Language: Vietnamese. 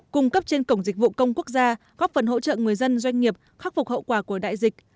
cung cấp trên cổng dịch vụ công quốc gia góp phần hỗ trợ người dân doanh nghiệp khắc phục hậu quả của đại dịch